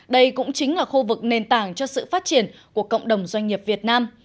đây cũng chính là khu vực nền tảng cho sự phát triển của cộng đồng doanh nghiệp việt nam